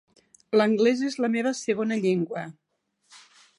L'anglès és la meva segona llengua.